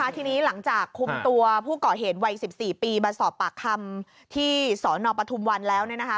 ทีนี้หลังจากคุมตัวผู้ก่อเหตุวัย๑๔ปีมาสอบปากคำที่สนปทุมวันแล้ว